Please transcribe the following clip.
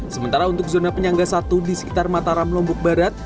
sementara untuk zona penyangga satu di sekitar mataram lombok barat